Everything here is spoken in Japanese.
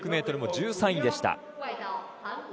５００ｍも１３位でした。